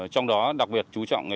trong đó đặc biệt chú trọng